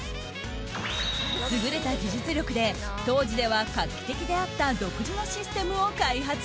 優れた技術力で当時では画期的であった独自のシステムを開発。